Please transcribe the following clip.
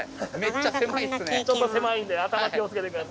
ちょっと狭いんで頭気を付けて下さい。